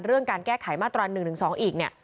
เรื่องการแก้ไขมาตรวัน๑๒อีก